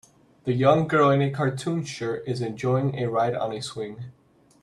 The young girl in a cartoon shirt is enjoying a ride on a swing.